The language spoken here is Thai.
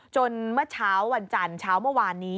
เมื่อเช้าวันจันทร์เช้าเมื่อวานนี้